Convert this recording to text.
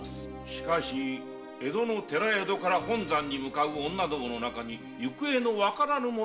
しかし江戸の寺宿から本山に向かう女どもの中に行方のわからぬ者がおるはず。